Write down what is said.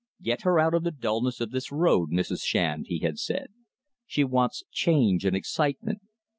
"Get her out of the dullness of this road, Mrs. Shand," he had said. "She wants change and excitement.